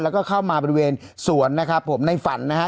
แล้วก็เข้ามาบริเวณสวนนะครับผมในฝันนะฮะ